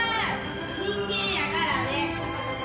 人間やからね。